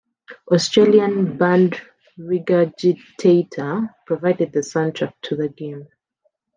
Australian band Regurgitator provided the soundtrack to the game.